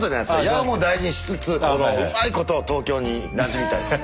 八尾も大事にしつつうまいこと東京になじみたいです。